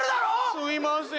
すいません！